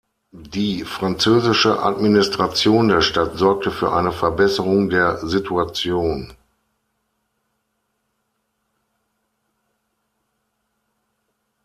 Die französische Administration der Stadt sorgte für eine Verbesserung der Situation.